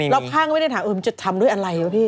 รอบข้างไม่ได้ถามเออมันจะทำด้วยอะไรวะพี่